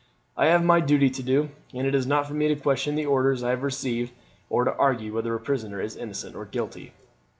I have my duty to do, and it's not for me to question the orders I have received, or to argue whether a prisoner is innocent or guilty."